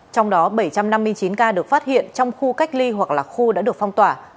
trong đó bảy trăm năm mươi chín ca được phát hiện trong khu cách ly hoặc là khu đã được phong tỏa